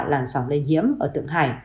làn sóng lây nhiễm ở thượng hải